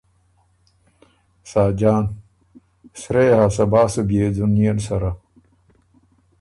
ساجان ـــ سرۀ يې هۀ صبا سو بيې ځُنيېن سَرَۀ۔